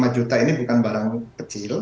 lima juta ini bukan barang kecil